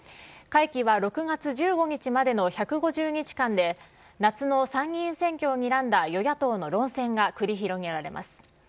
会期は６月１５日までの１５０日間で、夏の参議院選挙をにらんだ与野党の論戦が繰り広げられます。